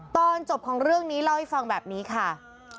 ตอนจบของเรื่องนี้เล่าให้ฟังแบบนี้ค่ะ